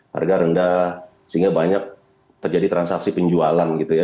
harga rendah sehingga banyak terjadi transaksi penjualan gitu ya